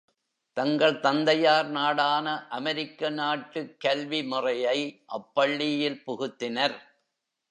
தங்கள் தந்தையர் நாடான அமெரிக்க நாட்டுக்குக் கல்வி முறையை அப்பள்ளியில் புகுத்தினர்.